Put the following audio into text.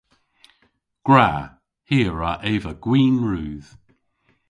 Gwra. Hi a wra eva gwin rudh.